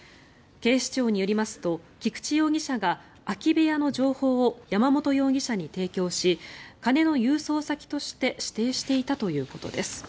警視庁によりますと菊池容疑者が空き部屋の情報を山本容疑者に提供し金の郵送先として指定していたということです。